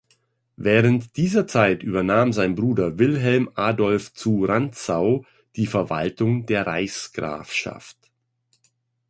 Während dieser Zeit übernahm sein Bruder Wilhelm Adolf zu Rantzau die Verwaltung der Reichsgrafschaft.